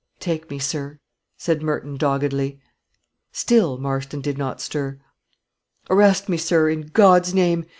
"Take me, sir," said Merton, doggedly. Still Marston did not stir. "Arrest me, sir, in God's name!